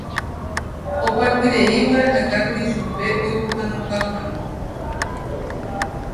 Oparupirei oguerahákuri chupe oipohánouka hag̃ua.